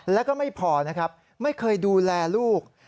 แล้วก็ไม่พอนะครับไม่เคยดูแลลูก